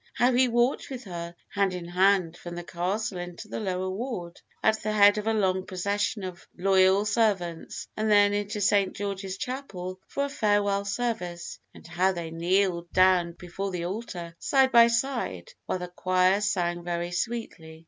How he walked with her, hand in hand, from the Castle into the lower ward, at the head of a long procession of loyal servants, and then into St. George's Chapel for a farewell service, and how they kneeled down before the altar, side by side, while the choir sang very sweetly.